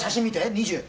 ２０